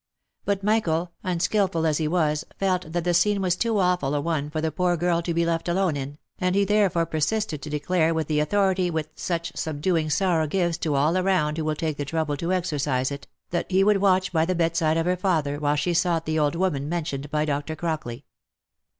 But Michael, unskilful as he was, felt that the scene" was too awful a one for the poor girl to be left alone in, and he therefore persisted to declare with the authority which such subduing sorrow gives to all around who will take the trouble to exercise it, that he would watch by the bed side of her father while she sought the old woman mentioned by Dr. Crockley.